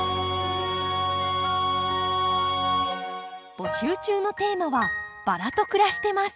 募集中のテーマは「バラと暮らしてます！」